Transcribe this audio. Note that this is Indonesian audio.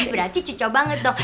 berarti cucu banget dong